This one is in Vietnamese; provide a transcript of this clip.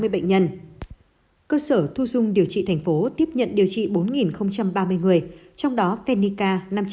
bệnh nhân cơ sở thu dung điều trị thành phố tiếp nhận điều trị bốn ba mươi người trong đó phenica năm trăm linh